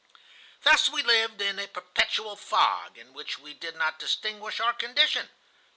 "Thus we lived in a perpetual fog, in which we did not distinguish our condition.